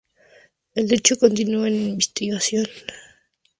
El hecho continúa en investigación.